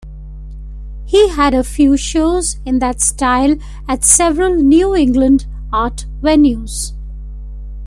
He had a few shows in that style at several New England art venues.